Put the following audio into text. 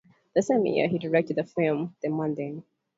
That same year, he directed the film "The Maddening".